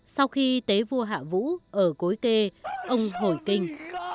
sau khi tế vua hạ vũ ở cối kê ông hồi kinh